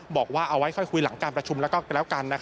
บอกว่าเอาไว้ค่อยคุยหลังการประชุมแล้วก็แล้วกัน